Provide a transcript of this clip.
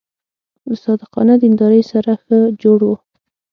له صادقانه دیندارۍ سره ښه جوړ و.